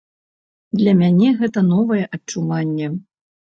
Для мяне гэта новае адчуванне.